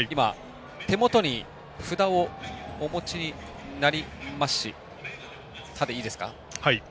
手元に札をお持ちになりましたで、いいですか？